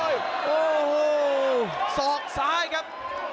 โอ้โหสอกซ้ายครับ